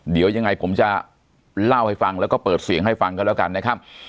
เดี๋ยวยังไงผมจะเล่าให้ฟังแล้วก็เปิดเสียงให้ฟังกันแล้วกันนะครับ